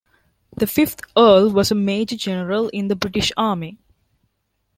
The fifth Earl was a Major-General in the British Army.